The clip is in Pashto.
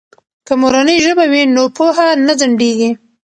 که مورنۍ ژبه وي نو پوهه نه ځنډیږي.